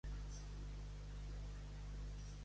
Salut i béns alegren el cor, però més el sant amor.